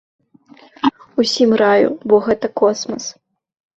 Усім раю, бо гэта космас!